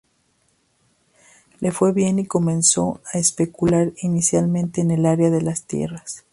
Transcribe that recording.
Le fue bien y comenzó a especular, inicialmente en el área de tierras.